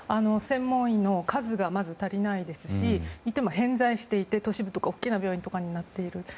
専門医の数が足りないですしいても偏在していて都市部とか大きな病院にいる。